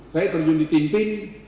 saya terjun di tim tim